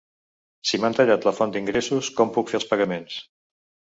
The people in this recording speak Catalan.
Si m’han tallat la font d’ingressos, com puc fer els pagaments?